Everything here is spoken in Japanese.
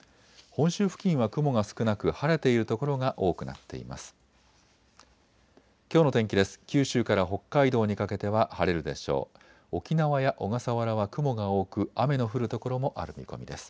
本州付近は雲が少なく晴れている所が多くなっています。